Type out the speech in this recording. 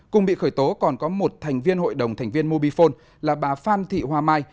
cùng bị khởi tố còn có một thành viên hội đồng thành viên mobifone là bà phan thị hoa mai